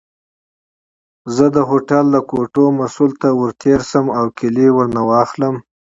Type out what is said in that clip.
زه د هوټل د کوټو مسؤل ته ورتېر شم او کیلۍ ورنه واخلم.